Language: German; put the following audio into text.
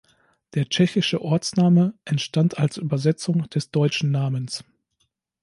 Der tschechische Ortsname entstand als Übersetzung des deutschen Namens.